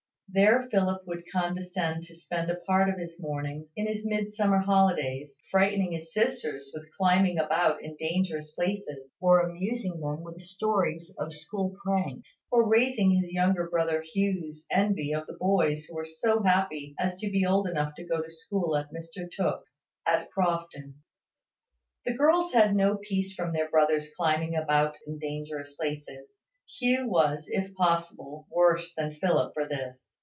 There Philip would condescend to spend a part of his mornings, in his Midsummer holidays, frightening his sisters with climbing about in dangerous places, or amusing them with stories of school pranks, or raising his younger brother Hugh's envy of the boys who were so happy as to be old enough to go to school at Mr Tooke's, at Crofton. The girls had no peace from their brothers climbing about in dangerous places. Hugh was, if possible, worse than Philip for this.